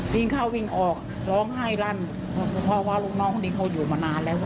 วิ่งเข้าวิ่งออกร้องไห้ลั่นเพราะว่าลูกน้องคนนี้เขาอยู่มานานแล้ว